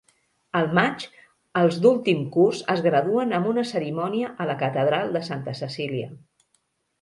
Al maig, els d'últim curs es graduen amb una cerimònia a la catedral de Santa Cecilia.